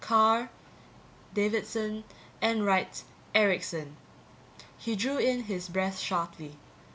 Carter ... Davidson ... Enright ... Erickson. He drew in his breath sharply.